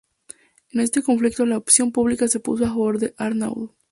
En este conflicto la opinión pública se puso a favor de Arnauld.